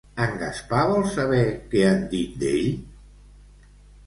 En Gaspar vol saber què han dit d'ell?